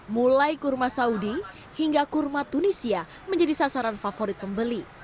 mulai kurma saudi hingga kurma tunisia menjadi sasaran favorit pembeli